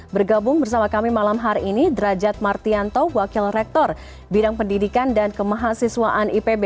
bergabung bersama kami malam hari ini derajat martianto wakil rektor bidang pendidikan dan kemahasiswaan ipb